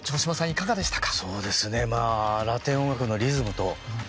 いかがでしたか？